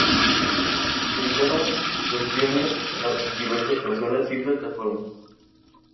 Se editaron versiones para diversas consolas y plataformas.